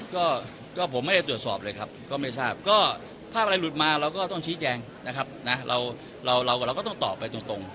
ก็ผมไม่ได้ตรวจสอบเลยครับก็ไม่ทราบก็ภาพอะไรหลุดมาเราก็ต้องชี้แจงนะครับนะเราเราก็ต้องตอบไปตรง